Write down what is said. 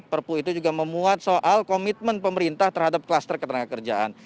perpu itu juga memuat soal komitmen pemerintah terhadap kluster ketenagakerjaan